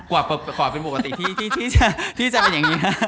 ขอเป็นปกติที่จะเป็นอย่างนี้ฮะ